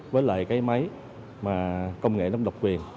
với lại cái máy mà công nghệ nó độc quyền